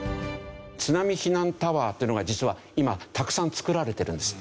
津波避難タワーっていうのが実は今たくさん造られているんです。